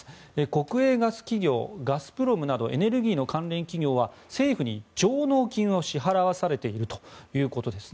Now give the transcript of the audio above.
国営ガス企業ガスプロムなどエネルギーの関連企業は政府に上納金を支払わされているということです。